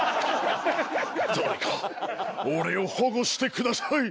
誰か俺を保護してください。